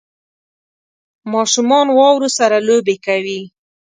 ماشومان واورو سره لوبې کوي